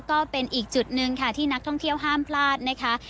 ก็เป็นอีกจุดหนึ่งค่ะที่นักท่องเที่ยวห้ามพลาดนะคะ